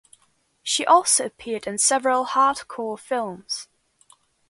She also appeared in several hardcore films.